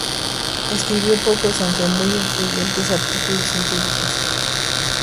Escribió pocos aunque muy influyentes artículos científicos.